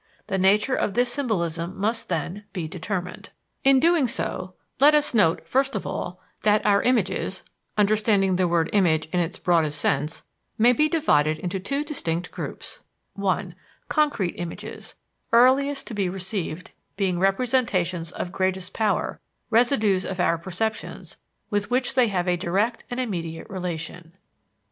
The nature of this symbolism must, then, be determined. In doing so, let us note first of all that our images understanding the word "image" in its broadest sense may be divided into two distinct groups: (1) Concrete images, earliest to be received, being representations of greatest power, residues of our perceptions, with which they have a direct and immediate relation.